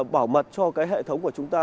bảo mật cho cái hệ thống của chúng ta